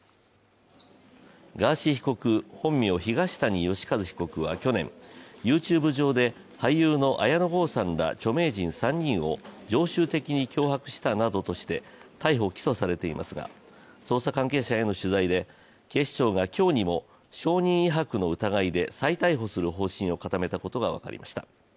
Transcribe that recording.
ガーシー被告、本名・東谷義和被告は去年、ＹｏｕＴｕｂｅ上で俳優の綾野剛さんら著名人３人を常習的に脅迫したなどとして逮捕・起訴されていますが、捜査関係者への取材で警視庁が今日にも証人威迫の疑いで再逮捕する方針を固めたことが分かりました。